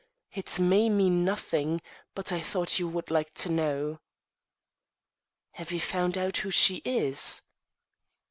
It may mean nothing, but I thought you would like to know." "Have you found out who she is?"